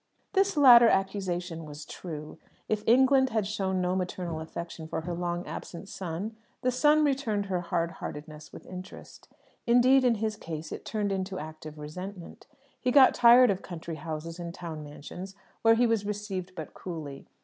This latter accusation was true. If England had shown no maternal affection for her long absent son, the son returned her hard heartedness with interest. Indeed, in his case, it turned into active resentment. He got tired of country houses and town mansions where he was received but coolly.